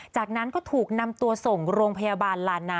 จากนั้นก็ถูกนำตัวส่งโรงพยาบาลลานา